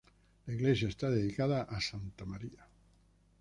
La iglesia está dedicada a santa María.